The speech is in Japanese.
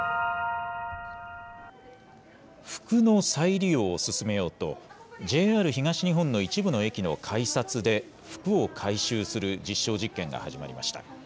服の再利用を進めようと、ＪＲ東日本の一部の駅の改札で、服を回収する実証実験が始まりました。